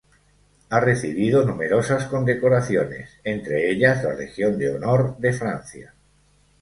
Ha recibido numerosas condecoraciones, entre ellas la Legión de Honor de Francia.